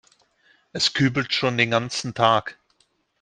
Es kübelt schon den ganzen Tag.